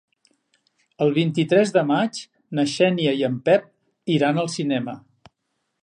El vint-i-tres de maig na Xènia i en Pep iran al cinema.